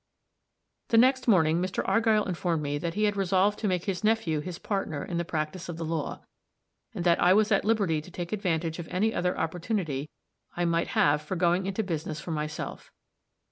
The next morning Mr. Argyll informed me that he had resolved to make his nephew his partner in the practice of the law, and that I was at liberty to take advantage of any other opportunity I might have for going into business for myself.